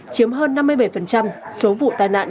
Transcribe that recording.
chiếm hơn năm mươi bảy số vụ tai nạn